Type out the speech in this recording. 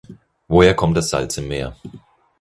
Woher kommt das Salz im Meer?